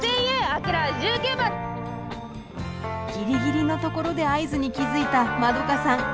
ギリギリのところで合図に気付いたまどかさん。